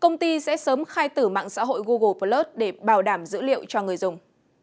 công ty sẽ sớm khai tử mạng xã hội google plus để bảo đảm dữ liệu cho người dùng